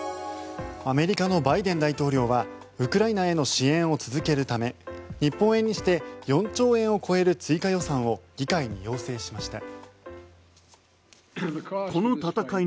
アメリカのバイデン大統領はウクライナへの支援を続けるため日本円にして４兆円を超える追加予算を議会に要請しました。